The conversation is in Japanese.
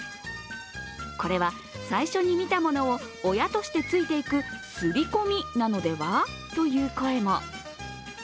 これは、最初に見たものを親としてついていく刷り込みなのではという声も。